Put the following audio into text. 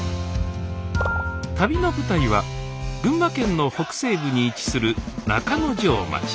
旅の舞台は群馬県の北西部に位置する中之条町。